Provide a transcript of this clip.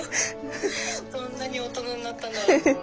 そんなに大人になったんだと思って。